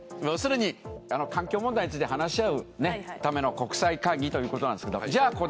要するに環境問題について話し合うための国際会議ということなんですけどじゃあ